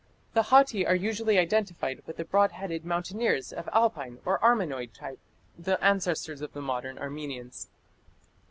The Hatti are usually identified with the broad headed mountaineers of Alpine or Armenoid type the ancestors of the modern Armenians.